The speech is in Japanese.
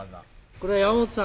これ山本さん